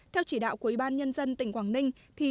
theo chỉ đạo của ubnd tỉnh quảng ninh